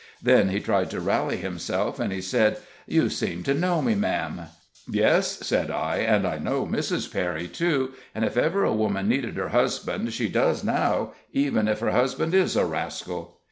Then he tried to rally himself, and he said: "You seem to know me, ma'am." "Yes," said I; "and I know Mrs. Perry, too; and if ever a woman needed her husband she does now, even if her husband is a rascal."